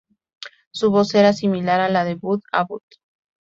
Su voz era similar a la de Bud Abbott.